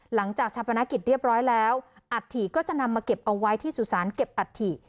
หลังจากเฉพาะนักกิจเรียบร้อยแล้วอัตถีก็จะนำมาเก็บเอาไว้ที่สุสานเก็บอัตถี